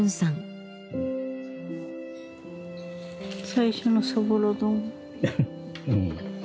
最初のそぼろ丼。